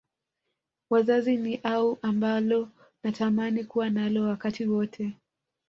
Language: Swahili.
Wazazi ni ua ambalo natamani kuwa nalo wakati wote